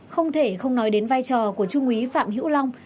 không thể không nói đến vai trò của chú nguy phạm hữu long